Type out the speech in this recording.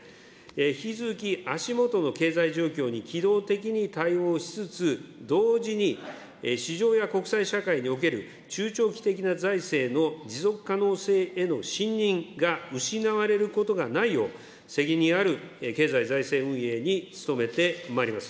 引き続き足下の経済状況に機動的に対応しつつ、同時に、市場や国際社会における中長期的な財政の持続可能性への信任が失われることがないよう、責任ある経済財政運営に努めてまいります。